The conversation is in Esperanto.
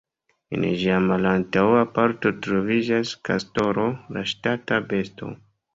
En ĝia malantaŭa parto troviĝas kastoro, la ŝtata besto.